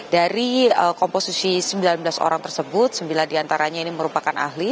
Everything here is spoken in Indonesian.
dari komposisi sembilan belas orang tersebut sembilan diantaranya ini merupakan ahli